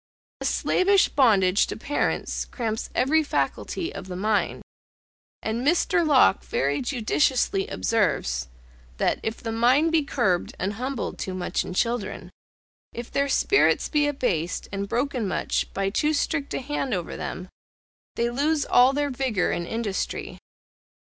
A slavish bondage to parents cramps every faculty of the mind; and Mr. Locke very judiciously observes, that "if the mind be curbed and humbled too much in children; if their spirits be abased and broken much by too strict an hand over them; they lose all their vigour and industry."